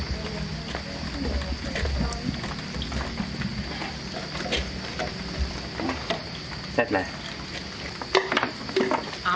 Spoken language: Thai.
พร้อมทุกสิทธิ์